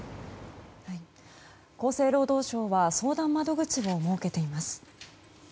厚生労働省は相談窓口を設けています。